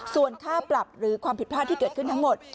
ส่วนค่าปรับหรือความผิดพลาดที่เกิดขึ้นทั้งหมด